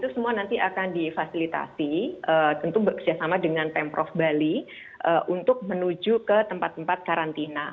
semua nanti akan difasilitasi tentu bekerjasama dengan pemprov bali untuk menuju ke tempat tempat karantina